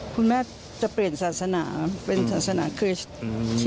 คุณแม่จะเปลี่ยนศาสนาเป็นศาสนาคริสต์